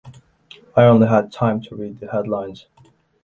I only had time to read the headlines.